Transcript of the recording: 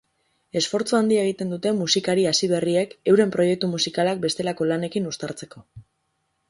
Esfortzu handia egiten dute musikari hasi berriek euren proiektu musikalak bestelako lanekin uztartzeko.